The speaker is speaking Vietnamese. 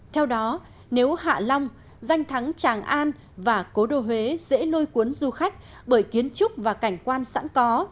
theo đó nếu hạ long danh thắng tràng an và cố đô huế dễ lôi cuốn du khách bởi kiến trúc và cảnh quan sẵn có